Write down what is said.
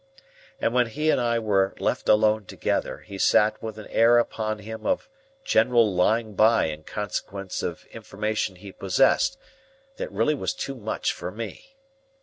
And when he and I were left alone together, he sat with an air upon him of general lying by in consequence of information he possessed, that really was too much for me.